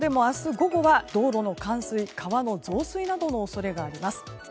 午後は道路の冠水川の増水などの恐れがあります。